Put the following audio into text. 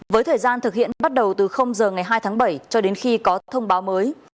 với thời gian thực hiện bắt đầu từ giờ ngày hai tháng bảy cho đến khi có thông báo mới